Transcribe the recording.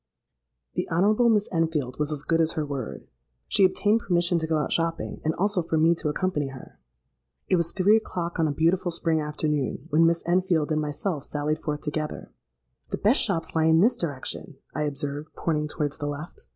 "The Honourable Miss Enfield was as good as her word. She obtained permission to go out shopping, and also for me to accompany her. It was three o'clock, on a beautiful spring afternoon, when Miss Enfield and myself sallied forth together. 'The best shops lie in this direction,' I observed, pointing towards the left.